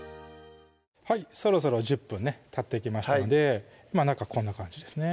はいそろそろ１０分ねたってきましたので中こんな感じですね